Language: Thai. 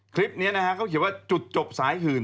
คลิปนี้นะฮะเขาเขียนว่าจุดจบสายหื่น